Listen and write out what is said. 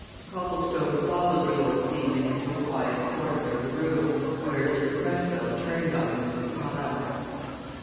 Copplestone followed the old seaman into a quiet corner of the room, where Sir Cresswell turned on him with a smile.